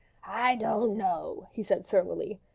"I don't know," he said surlily.